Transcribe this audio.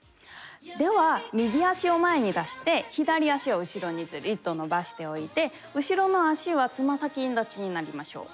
では右足を前に出して左足を後ろにズリーッと伸ばしておいて後ろの足はつま先立ちになりましょう。